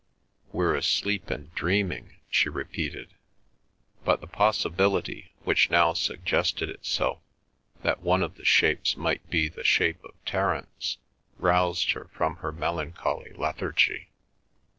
"We're asleep and dreaming," she repeated. But the possibility which now suggested itself that one of the shapes might be the shape of Terence roused her from her melancholy lethargy.